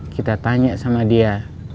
kita tanya sama dia